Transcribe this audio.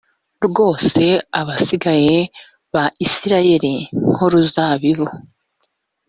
rwose abasigaye ba isirayeli nk uruzabibu